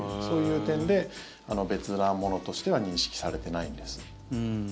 そういう点で別なものとしては認識されていないんです。